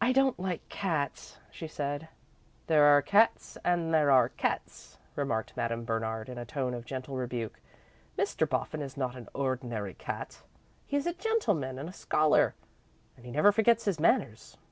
"I don't like cats," she said. "There are cats and cats," remarked Madame Bernard in a tone of gentle rebuke. "Mr. Boffin is not an ordinary cat. He is a gentleman and a scholar and he never forgets his manners."